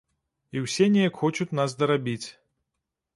І ўсе неяк хочуць нас дарабіць.